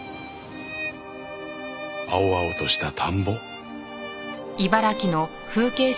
青々とした田んぼ。